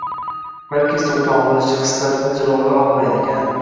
balki so‘kong‘ich, hislarini jilovlay olmaydigan